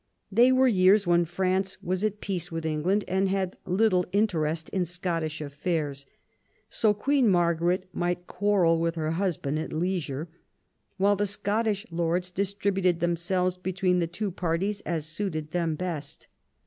They were years when France was at peace with England and had little interest in Scottish affairs ; so Queen Margaret might quarrel with her husband at leisure, while the Scottish lords distributed themselves between the two parties as suited them best.